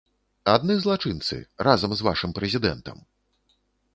Адны злачынцы, разам з вашым прэзідэнтам!